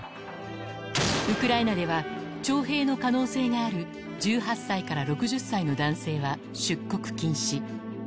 ウクライナでは、徴兵の可能性がある１８歳から６０歳の男性は出国禁止。